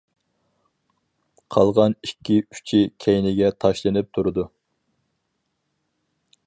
قالغان ئىككى ئۇچى كەينىگە تاشلىنىپ تۇرىدۇ.